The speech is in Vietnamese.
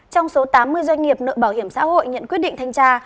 trong số tám mươi doanh nghiệp nợ bảo hiểm xã hội nhận quyết định thanh tra